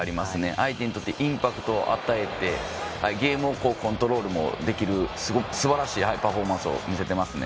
相手にとってインパクトを与えてゲームをコントロールできるすばらしいパフォーマンスを見せてますね。